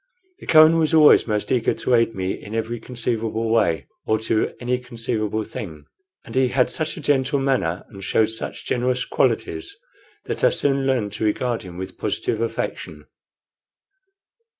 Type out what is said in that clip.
The Kohen was always most eager to aid me in every conceivable way or to any conceivable thing; and he had such a gentle manner and showed such generous qualities that I soon learned to regard him with positive affection.